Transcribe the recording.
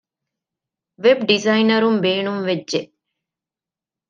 ވެބް ޑިޒައިނަރުން ބޭނުންވެއްޖެ